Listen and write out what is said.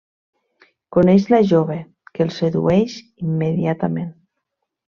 Coneix la jove, que el sedueix immediatament.